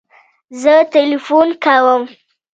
زه تلیفون کوم